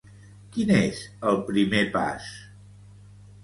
Quin és el primer pas?